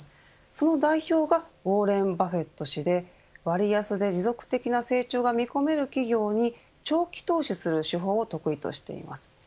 その代表がウォーレン・バフェット氏で割安で持続的な成長が見込める企業に長期投資する手法を得意としています。